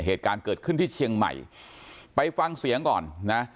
เหตุการณ์เกิดขึ้นที่เชียงใหม่ไปฟังเสียงก่อนนะ